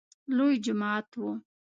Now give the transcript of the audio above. لوی جماعت و .